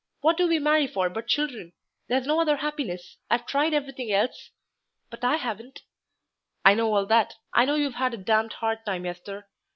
What do we marry for but children? There's no other happiness. I've tried everything else " "But I haven't." "I know all that. I know you've had a damned hard time, Esther.